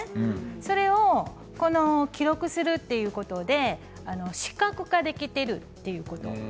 それを記録するということで視覚化できているということです。